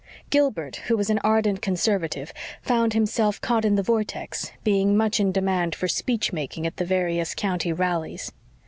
Gilbert, who was an ardent Conservative, found himself caught in the vortex, being much in demand for speech making at the various county rallies.